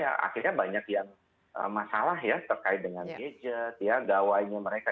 ya akhirnya banyak yang masalah ya terkait dengan gadget ya gawainya mereka